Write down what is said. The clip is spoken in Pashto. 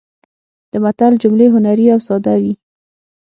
د متل جملې هنري او ساده وي